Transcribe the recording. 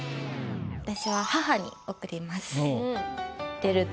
私は母に贈ります。